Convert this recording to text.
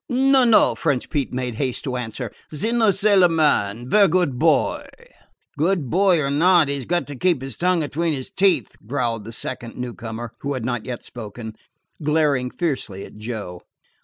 "No, no," French Pete made haste to answer. "Ze new sailorman. Vaire good boy." "Good boy or not, he 's got to keep his tongue atween his teeth," growled the second newcomer, who had not yet spoken, glaring fiercely at Joe.